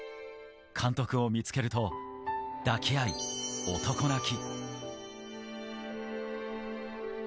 監督を見つけると、抱き合い、男泣き。